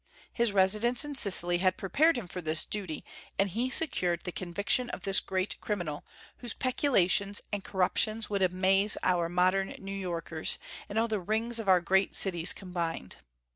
His residence in Sicily had prepared him for this duty; and he secured the conviction of this great criminal, whose peculations and corruptions would amaze our modern New Yorkers and all the "rings" of our great cities combined.